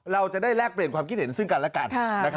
เราจะได้แลกเปลี่ยนความคิดเห็นซึ่งกันและกัน